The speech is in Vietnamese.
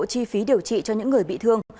chi phí điều trị cho những người bị thương